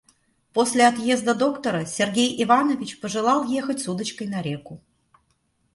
После отъезда доктора Сергей Иванович пожелал ехать с удочкой на реку.